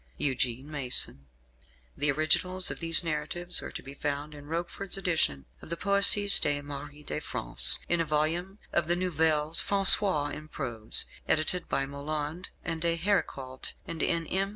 EUGENE MASON. The originals of these narratives are to be found in Roquefort's edition of the Poésies de Marie de France; in a volume of the Nouvelles Françoises en Prose, edited by Moland and D'Héricault; and in M.